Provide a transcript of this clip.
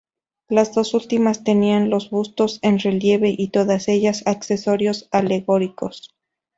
Las dos últimas tenían los bustos en relieve, y todas ellas accesorios alegóricos.